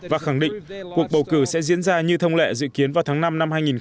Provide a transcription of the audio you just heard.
và khẳng định cuộc bầu cử sẽ diễn ra như thông lệ dự kiến vào tháng năm năm hai nghìn hai mươi